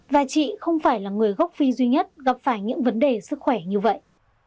và chị không phải là người gốc phi duy nhất gặp phải những vấn đề sức khỏe như vậy